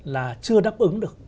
là chưa đáp ứng được